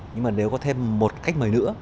nhưng mà nếu có thêm một khách mời nữa